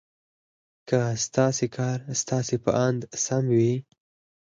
که ستاسې کار ستاسې په اند سم وي.